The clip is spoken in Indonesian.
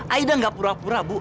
aida nggak pura pura bu